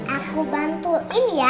aku bantuin ya